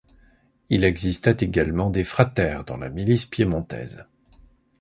Il existait également des fraters dans la milice piémontaise.